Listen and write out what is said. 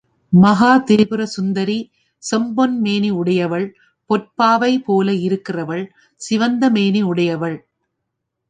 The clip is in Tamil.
மகாதிரிபுர சுந்தரி செம்பொன் மேனி உடையவள் பொற்பாவை போல இருக்கிறவள் சிவந்த மேனி உடையவள்.